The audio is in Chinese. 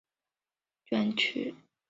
雅安专区是四川省已撤销的专区。